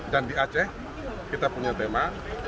dan di aceh kita punya tema